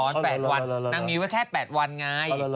๘วันนางมีไว้แค่๘วันไง